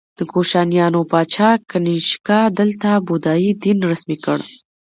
د کوشانیانو پاچا کنیشکا دلته بودايي دین رسمي کړ